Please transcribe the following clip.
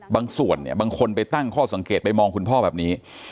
ส่วนเนี่ยบางคนไปตั้งข้อสังเกตไปมองคุณพ่อแบบนี้